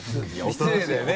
失礼だよね？